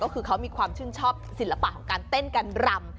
ก็คือเขามีความชื่นชอบศิลปะของการเต้นการรำ